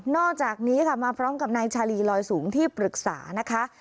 อกจากนี้ค่ะมาพร้อมกับนายชาลีลอยสูงที่ปรึกษานะคะ